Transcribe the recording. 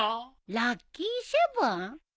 ラッキーセブン？